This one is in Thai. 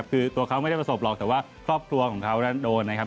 คือตัวเขาไม่ได้ประสบหรอกแต่ว่าครอบครัวของเขานั้นโดนนะครับ